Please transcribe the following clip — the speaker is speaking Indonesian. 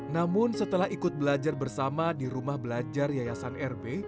namun setelah ikut belajar bersama di rumah belajar yayasan rb